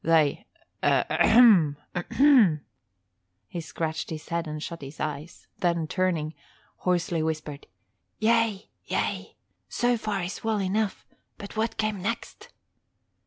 They ahem ahem " He scratched his head and shut his eyes, then turning, hoarsely whispered, "Yea, yea! So far is well enough, but what came next?"